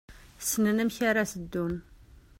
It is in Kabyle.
Ssnen amek ara s-ddun.